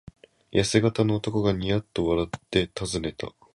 やせ型の男がニヤッと笑ってたずねた。